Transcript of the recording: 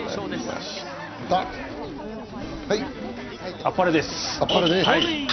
あっぱれです。